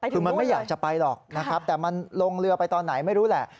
คือมันไม่อยากจะไปหรอกนะครับแต่มันลงเรือไปตอนไหนไม่รู้แหละ